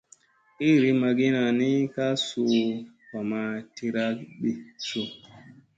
Liri magina ni ka suu va ma tira ɗi suu.